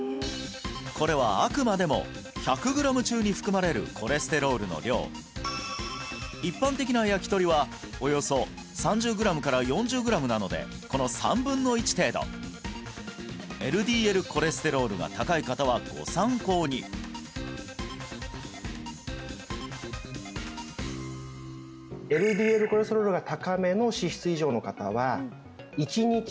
これはあくまでも１００グラム中に含まれるコレステロールの量一般的な焼き鳥はおよそ３０グラムから４０グラムなのでこの３分の１程度ＬＤＬコレステロールが高い方はご参考にに抑えましょうといわれているんです